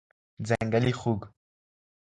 ځنګلي خوګ 🐗